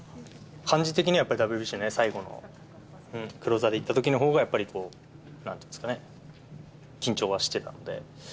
感じ的にはＷＢＣね、最後のクローザーで行ったときのほうがやっぱり、なんて言うんですかね、緊張はしてたので。